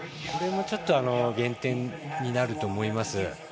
これも減点になると思います。